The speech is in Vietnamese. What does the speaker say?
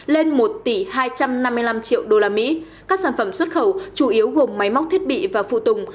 lên một tỷ hai trăm năm mươi năm triệu usd các sản phẩm xuất khẩu chủ yếu gồm máy móc thiết bị và phụ tùng